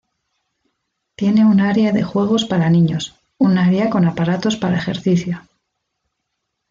Tiene un área de juegos para niños, un área con aparatos para ejercicio.